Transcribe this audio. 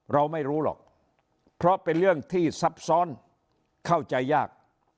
เราไม่รู้หรอกเพราะเป็นเรื่องที่ซับซ้อนเข้าใจยาก